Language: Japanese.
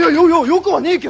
よくはねえけど！